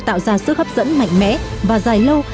tạo ra sức hấp dẫn mạnh mẽ và dài lâu